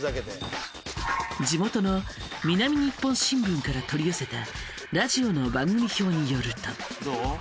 地元の南日本新聞から取り寄せたラジオの番組表によると。